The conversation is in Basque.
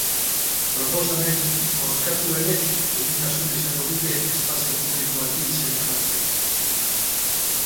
Proposamen bozkatuenek lehentasuna izango dute espazio publiko bati izena jartzeko.